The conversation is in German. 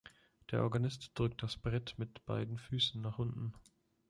Der Organist drückt das Brett mit beiden Füßen nach unten.